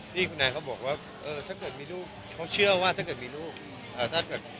ที่คุณแม่เขาบอกว่าถ้าเกิดมีลูกเขาเชื่อว่าถ้าเกิดมีลูก